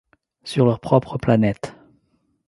Sur leur propre planète...